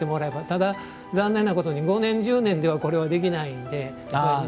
ただ、残念なことに５年１０年ではこれはできないので。